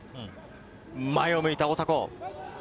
前を向いた大迫。